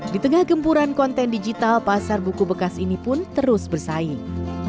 di tengah gempuran konten digital pasar buku bekas ini pun terus bersaing